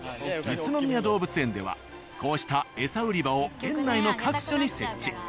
宇都宮動物園ではこうしたエサ売り場を園内の各所に設置。